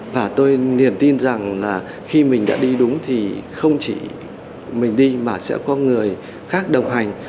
và tôi niềm tin rằng là khi mình đã đi đúng thì không chỉ mình đi mà sẽ có người khác đồng hành